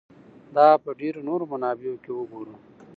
دا په ډېرو نورو منابعو کې وګورو.